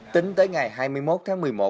tính tới ngày hai mươi một tháng một mươi một